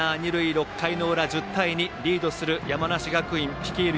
６回の裏１０対２、リードする山梨学院率いる